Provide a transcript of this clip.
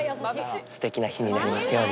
すてきな日になりますように。